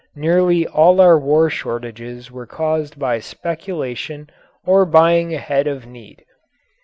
Nearly all our war shortages were caused by speculation or buying ahead of need.